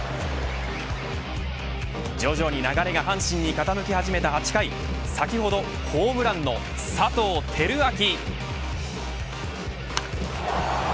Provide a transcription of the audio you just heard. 徐々に流れが阪神に傾き始めた８回先ほどホームランの佐藤輝明。